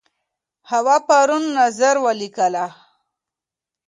هوا پرون نظر ولیکه.